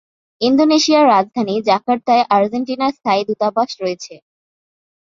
ইন্দোনেশিয়ার রাজধানী জাকার্তায় আর্জেন্টিনার স্থায়ী দূতাবাস রয়েছে।